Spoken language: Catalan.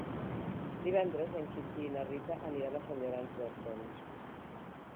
Divendres en Quintí i na Rita aniran a Sant Llorenç d'Hortons.